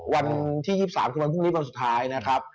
วันที่๒๓คือวันพรุ่งนี้วันสุดท้ายนะครับ